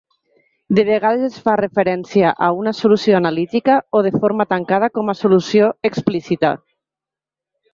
De vegades es fa referència a una solució analítica o de forma tancada com a solució explícita.